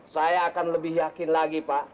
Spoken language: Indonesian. saya akan lebih yakin lagi pak